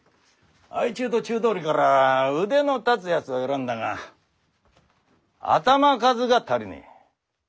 相中と中通りから腕の立つやつを選んだが頭数が足りねえ。